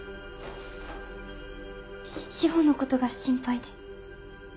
史穂のことが心配で。